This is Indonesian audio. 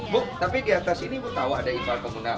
bu tapi di atas ini bu tahu ada imbal pembunuhan